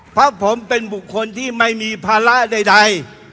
เพราะผมเป็นบุคคลที่ไม่มีภาระใด